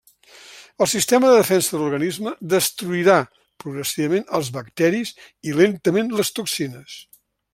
El sistema de defensa de l'organisme destruirà progressivament els bacteris i lentament les toxines.